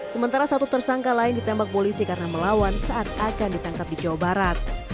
sementara satu tersangka lain ditembak polisi karena melawan saat akan ditangkap di jawa barat